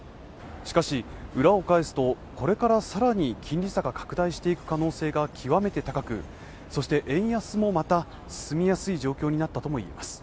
しかし、裏を返すと、これから更に金利差が拡大していく可能性が極めて高くそして円安もまた進みやすい状況になったとも言えます。